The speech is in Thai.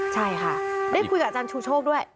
ใช่ค่ะได้คุยกับอาจารย์ชูโชคด้วย